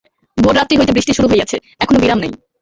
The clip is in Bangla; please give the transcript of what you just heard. ভোররাত্রি হইতে বৃষ্টি শুরু হইয়াছে, এখনো বিরাম নাই।